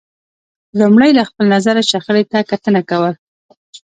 لمړی له خپل نظره شخړې ته کتنه کول